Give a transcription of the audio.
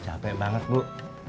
capek banget bu